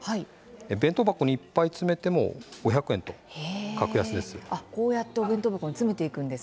弁当箱にいっぱい詰めても５００円と格安です。